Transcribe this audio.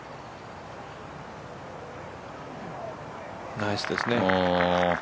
ナイスですね。